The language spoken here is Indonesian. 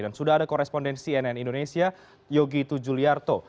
dan sudah ada korespondensi nn indonesia yogi tujuliarto